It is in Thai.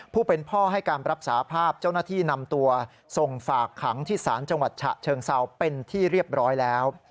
ผู้เป็นพ่อให้การรับสาภาพเจ้าหน้าที่นำตัวส่งฝากขังที่ศาลจังหวัดฉะเชิงเซาเป็นที่เรียบร้อยแล้ว